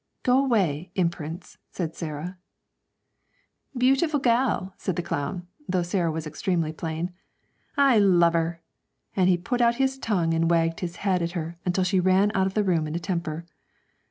'Go away, imperence,' said Sarah. 'Beautiful gal,' said the clown (though Sarah was extremely plain), 'I love yer!' and he put out his tongue and wagged his head at her until she ran out of the room in terror.